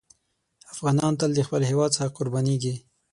افغانان تل د خپل هېواد څخه قربانېږي.